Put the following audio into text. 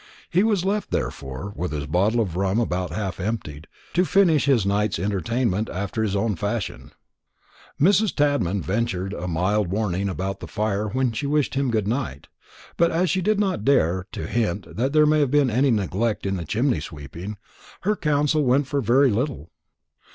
He was left, therefore, with his bottle of rum about half emptied, to finish his night's entertainment after his own fashion. Mrs. Tadman ventured a mild warning about the fire when she wished him good night; but as she did not dare to hint that there had been any neglect in the chimney sweeping, her counsel went for very little.